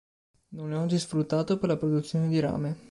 Non è oggi sfruttato per la produzione di rame.